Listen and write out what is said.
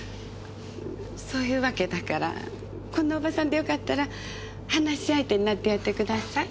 そういうわけだからこんなおばさんでよかったら話し相手になってやってください。